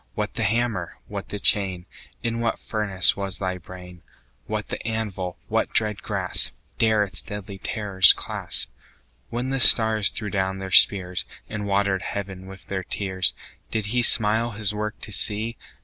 What the hammer? what the chain? In what furnace was thy brain? What the anvil? What dread grasp 15 Dare its deadly terrors clasp? When the stars threw down their spears, And water'd heaven with their tears, Did He smile His work to see?